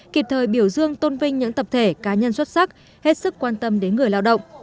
kịp thời biểu dương tôn vinh những tập thể cá nhân xuất sắc hết sức quan tâm đến người lao động